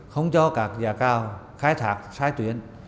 không cho các giả cao khai thác sai tuyến